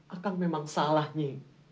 akan memang salah nyi